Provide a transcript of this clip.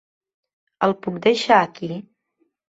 El puc deixar aquí?